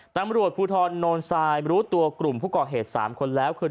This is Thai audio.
ตำรวจภูทรโนนทรายรู้ตัวกลุ่มผู้ก่อเหตุ๓คนแล้วคือ